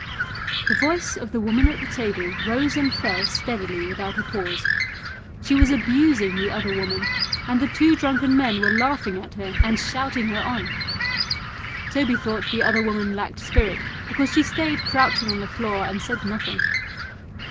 The voice of the woman at the table rose and fell steadily without a pause ; she was abusing the other woman, and the two drunken men were laughing at her and THE BIRD IN THE GARDEN 153 shouting her on; Toby thought the other woman lacked spirit because she stayed crouching on the floor and said nothing.